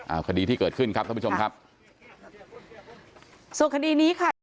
เอาคดีที่เกิดขึ้นครับท่านผู้ชมครับส่วนคดีนี้ค่ะ